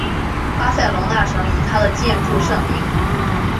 巴塞隆纳省以它的建筑盛名。